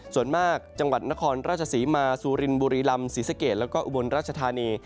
ส่วนมากจังหวัดนครราชศรีมาซูรินบุรีลำศรีสะเกดแล้วก็อุบลราชธานี